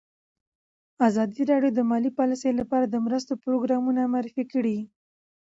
ازادي راډیو د مالي پالیسي لپاره د مرستو پروګرامونه معرفي کړي.